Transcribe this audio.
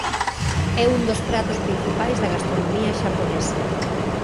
É un dos pratos principais da gastronomía xaponesa.